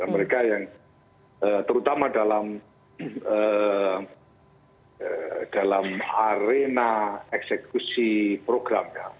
mereka yang terutama dalam arena eksekusi program